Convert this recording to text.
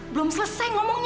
belum selesai ngomongnya